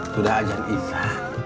sudah ajaran isa